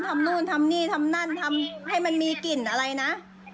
นู่นทำนี่ทำนั่นทำให้มันมีกลิ่นอะไรนะ